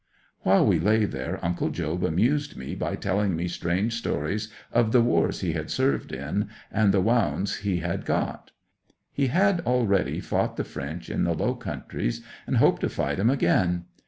'While we lay there Uncle Job amused me by telling me strange stories of the wars he had served in and the wounds he had got. He had already fought the French in the Low Countries, and hoped to fight 'em again.